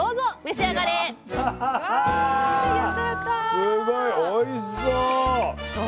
すごいおいしそう！